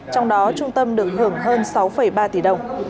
trong đó trung tâm được hưởng hơn sáu ba tỷ đồng